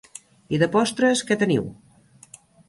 I de postres que teniu?